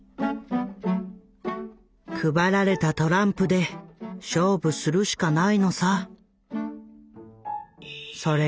「配られたトランプで勝負するしかないのさ」。